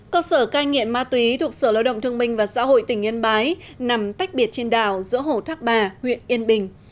cơ sở cai nghiện ma túy thuộc sở lợi động thương minh và xã hội tỉnh yên bái nằm tách biệt trên đảo giữa hồ thác bà huyện yên bình